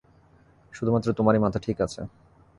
শুধুমাত্র তোমারই মাথা ঠিক আছে।